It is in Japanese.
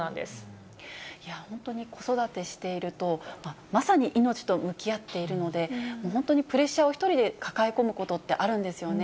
本当に子育てしていると、まさに命と向き合っているので、もう本当にプレッシャーを１人で抱え込むことってあるんですよね。